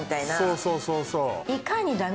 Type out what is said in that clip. そうそうそうそう。